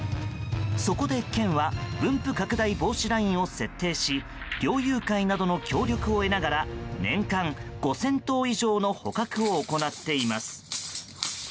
そこで県は分布拡大防止ラインを設定し猟友会などの協力を得ながら年間５０００頭以上の捕獲を行っています。